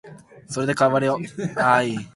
それで会話は終わりだった